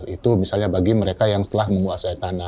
itu misalnya bagi mereka yang setelah menguasai tanah